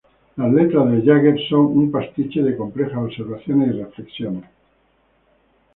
Las letras de Jagger son un pastiche de complejas observaciones y reflexiones.